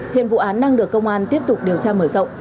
hiện vụ án đang được công an tiếp tục điều tra mở rộng